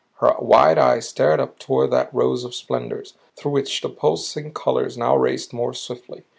Her wide eyes stared up toward that rose of splendors through which the pulsing colors now raced more swiftly.